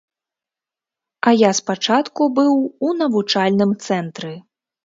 А я спачатку быў у навучальным цэнтры.